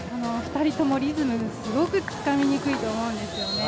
２人ともリズム、すごくつかみづらいと思うんですよね。